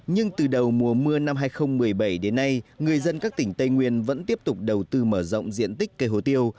nhưng từ đầu mùa mưa năm hai nghìn một mươi bảy đến nay người dân các tỉnh tây nguyên vẫn tiếp tục đầu tư mở rộng diện tích cây hồ tiêu